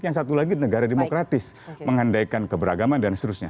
yang satu lagi negara demokratis mengandaikan keberagaman dan seterusnya